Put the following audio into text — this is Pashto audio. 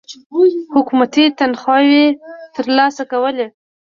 حکومتي تنخواوې تر لاسه کولې.